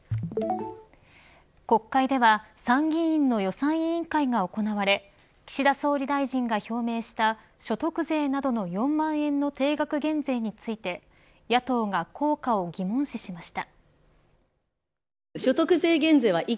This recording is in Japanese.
国会では参議院の予算委員会が行われ岸田総理大臣が表明した所得税などの４万円の定額減税について野党が効果を疑問視しました。